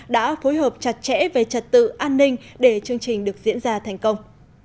đã phối hợp chặt chẽ về trật tự an ninh để chương trình được diễn ra thành công